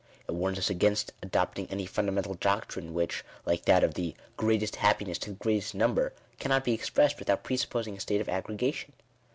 It warns us against adopting any fundamental doctrine which, like, that of " the greatest happiness to the greatest number," cannot be expressed without presupposing a state of aggrega tion.